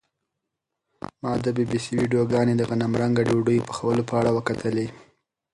ما د بي بي سي ویډیوګانې د غنمرنګه ډوډۍ پخولو په اړه وکتلې.